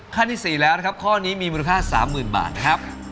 ข้อที่๔แล้วนะครับข้อนี้มีมูลค่า๓๐๐๐บาทครับ